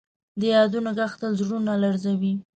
د یادونو ږغ تل زړونه لړزوي.